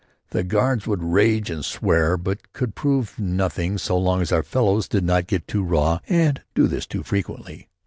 The guards would rage and swear but could prove nothing so long as our fellows did not get too raw and do this too frequently.